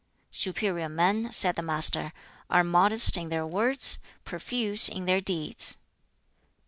"Superior men," said the Master, "are modest in their words, profuse in their deeds."